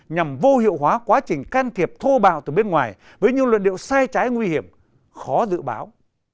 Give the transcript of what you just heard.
nhằm vô hiệu hóa quá trình can thiệp thô bạo từ bên ngoài với những luận điệu sai trái nguy hiểm khó dự báo